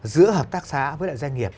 giữa hợp tác xã với lại doanh nghiệp